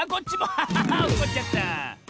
ああおっこっちゃった！